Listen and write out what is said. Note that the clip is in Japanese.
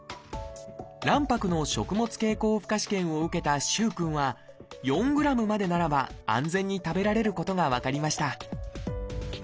卵白の食物経口負荷試験を受けた萩くんは４ｇまでならば安全に食べられることが分かりました